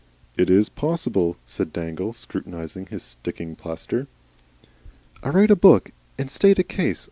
"It is possible," said Dangle, scrutinising his sticking plaster. "I write a book and state a case.